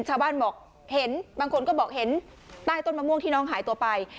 ชาวบ้านบอกเห็นบางคนก็บอกเห็นใต้ต้นมะม่วงที่น้องหายตัวไป